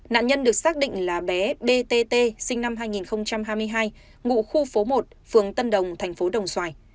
nạn nhân được xác định là bé btt sinh năm hai nghìn hai mươi hai ngụ khu phố một phường tân đồng thành phố đồng xoài